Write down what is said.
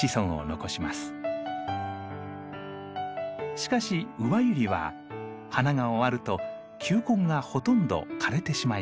しかしウバユリは花が終わると球根がほとんど枯れてしまいます。